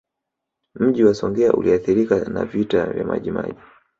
Mji wa Songea uliathirika na Vita ya Majimaji